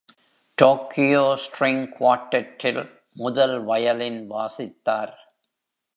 Tokyo string குவார்டெட்டில் முதல் violin வாசித்தார்.